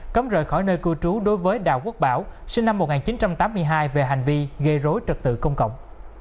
cấm rời khỏi nơi cư trú đối với đào quốc bảo sinh năm một nghìn chín trăm tám mươi hai về hành vi gây rối trật tự công cộng